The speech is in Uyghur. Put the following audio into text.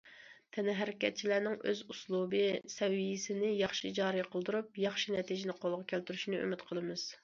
تەنھەرىكەتچىلەرنىڭ ئۆز ئۇسلۇبى، سەۋىيەسىنى ياخشى جارى قىلدۇرۇپ، ياخشى نەتىجىنى قولغا كەلتۈرۈشىنى ئۈمىد قىلىمىز.